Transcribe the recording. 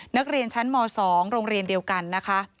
นักเรียนชั้นม๒โรงเรียนเดียวกันนะคะ